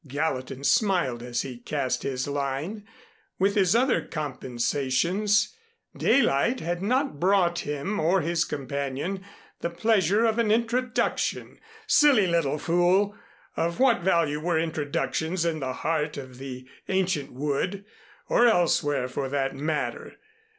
Gallatin smiled as he cast his line. With its other compensations daylight had not brought him or his companion the pleasure of an introduction! Silly little fool! Of what value were introductions in the heart of the ancient wood or elsewhere for that matter!